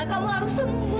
kamu harus sembuh